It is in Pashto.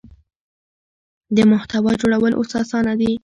د محتوا جوړول اوس اسانه دي.